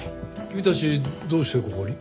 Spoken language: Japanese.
君たちどうしてここに？